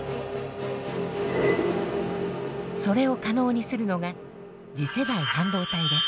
それを可能にするのが次世代半導体です。